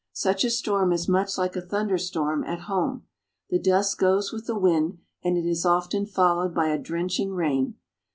Such a storm is much like a thunderstorm at home. The dust goes with the wind, and it is often fol lowed by a drenching rain.